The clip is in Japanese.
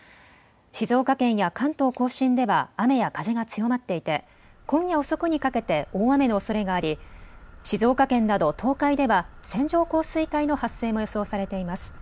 静岡県や関東甲信では雨や風が強まっていて今夜遅くにかけて大雨のおそれがあり静岡県など東海では線状降水帯の発生も予想されています。